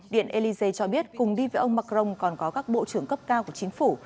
điện élysée cho biết cùng đi với ông macron còn có các bộ trưởng cấp cao của chính phủ